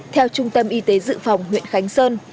theo trung tâm y tế dự phòng huyện khánh sơn